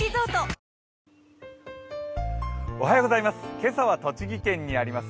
今朝は栃木県にあります